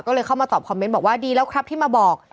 ก็เลยเข้ามาตอบคอมเมนต์บอกว่าดีแล้วครับที่มาบอก